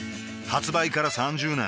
発売から３０年